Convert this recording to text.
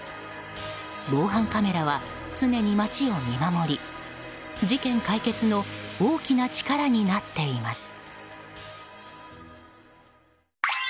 防犯カメラは常に街を見守り事件解決の大きな力になっています。